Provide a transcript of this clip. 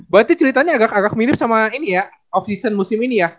berarti ceritanya agak agak mirip sama ini ya off season musim ini ya